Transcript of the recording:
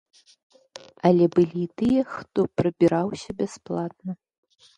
Але былі і тыя, хто прабіраўся бясплатна.